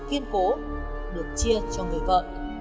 bản án này được chia cho người vợ